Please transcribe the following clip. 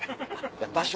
場所